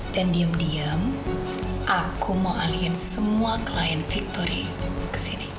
dan diem diem aku mau alihin semua klien victoria kesini